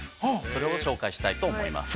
それを紹介したいと思います。